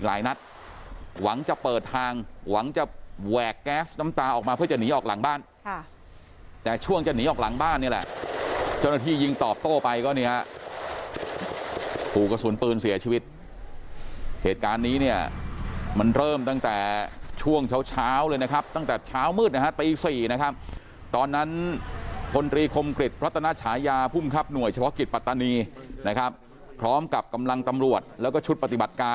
กลายนัดหวังจะเปิดทางหวังจะแหวกแก๊สน้ำตาออกมาเพื่อจะหนีออกหลังบ้านแต่ช่วงจะหนีออกหลังบ้านนี่แหละเจ้าหน้าที่ยิงต่อโต้ไปก็เนี่ยภูกระสุนปืนเสียชีวิตเหตุการณ์นี้เนี่ยมันเริ่มตั้งแต่ช่วงเช้าเลยนะครับตั้งแต่ช้า